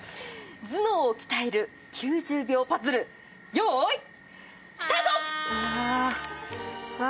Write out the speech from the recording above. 頭脳を鍛える９０秒パズル、用意、スタート！